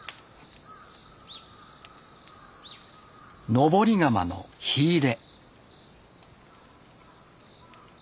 登り窯の火入れ。